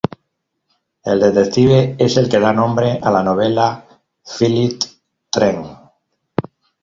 El detective es el que da nombre a la novela: Philip Trent.